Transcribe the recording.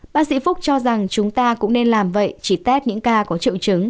bác sĩ phúc cho rằng chúng ta cũng nên làm vậy chỉ test những ca có triệu chứng